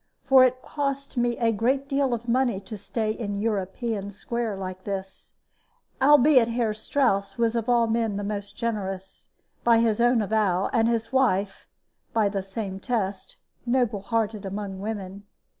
For it cost me a great deal of money to stay in European Square like this, albeit Herr Strouss was of all men the most generous, by his own avowal, and his wife (by the same test) noble hearted among women.